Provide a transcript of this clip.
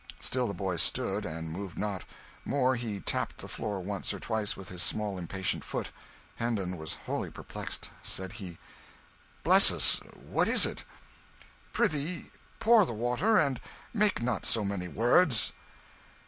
Still the boy stood, and moved not; more, he tapped the floor once or twice with his small impatient foot. Hendon was wholly perplexed. Said he "Bless us, what is it?" "Prithee pour the water, and make not so many words!"